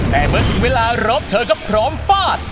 แต่เมื่อถึงเวลารบเธอก็พร้อมฟาด